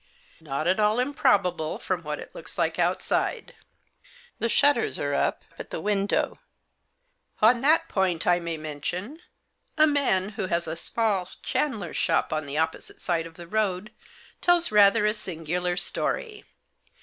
" Not at all improbable, from what it looks like out side. The shutters are up at the window — on that point, I may mention, a man who has a small chandler's shop on the opposite side of the road, tells rather a singular story.